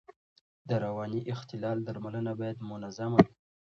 د رواني اختلال درملنه باید منظم وي.